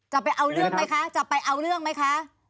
จะเอาเรื่องไหมคะจะไปเอาเรื่องไหมคะ